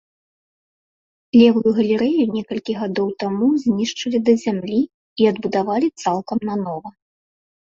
Левую галерэю некалькі гадоў таму знішчылі да зямлі і адбудавалі цалкам нанова.